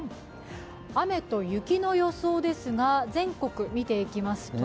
雨と雪の予想ですが、全国見ていきます。